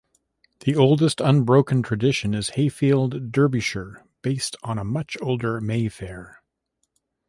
The oldest unbroken tradition is Hayfield, Derbyshire based on a much older May Fair.